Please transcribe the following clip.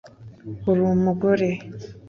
Uri umugore